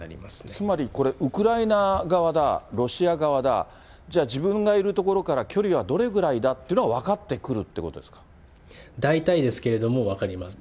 つまり、これ、ウクライナ側だ、ロシア側だ、じゃあ、自分がいる所から距離がどれぐらいだっていうのが分かってくるっ大体ですけれども、分かります。